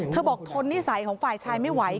บอกทนนิสัยของฝ่ายชายไม่ไหว